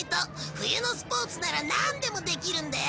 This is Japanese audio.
冬のスポーツならなんでもできるんだよ。